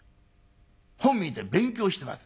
『本見て勉強してます』。